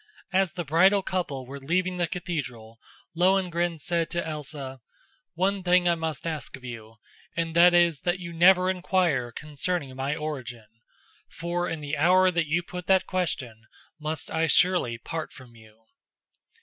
As the bridal couple were leaving the cathedral, Lohengrin said to Elsa: "One thing I must ask of you, and that is that you never inquire concerning my origin, for in the hour that you put that question must I surely part from you."